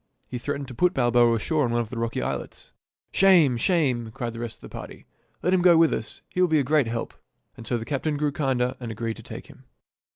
He threatened to put Balboa ashore on one of the rocky islets. " Shame ! shame !" cried the rest of the party. " Let him go with us. He will be a great help." And so the captain grew kinder and agreed to take him.